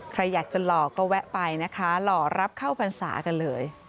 ใครอยากจะหล่อก็แวะไปนะคะหล่อรับเข้าพรรษากันเลย